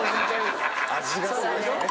味がすごいですよね。